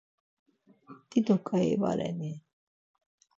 Dido ǩai, va reni?